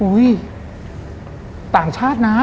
อุ้ยต่างชาตินะ